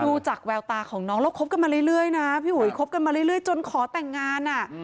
ดูจากแววตาของน้องแล้วคบกันมาเรื่อยจนขอแต่งงาน